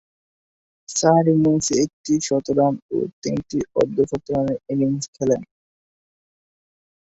চার ইনিংসে একটি শতরান ও তিনটি অর্ধ-শতরানের ইনিংস খেলেন।